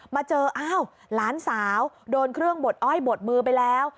มาเจออ้าวหลานสาวโดนเครื่องบดอ้อยบดมือไปแล้ว